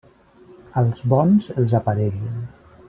Als bons els aparellen.